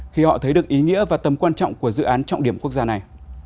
khi họ thấy được ý nghĩa và tầm quan trọng của dự án trọng điểm quốc gia này